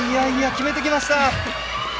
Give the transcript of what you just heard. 決めてきました！